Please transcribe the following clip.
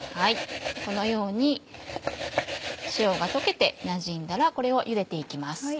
このように塩が溶けてなじんだらこれをゆでて行きます。